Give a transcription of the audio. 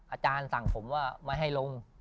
อาจารย์สั่งผมว่าไม่ให้ลง